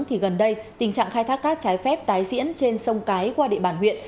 thì gần đây tình trạng khai thác cát trái phép tái diễn trên sông cái qua địa bàn huyện